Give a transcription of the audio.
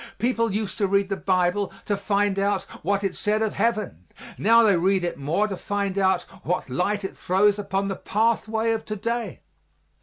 People used to read the Bible to find out what it said of Heaven; now they read it more to find what light it throws upon the pathway of to day.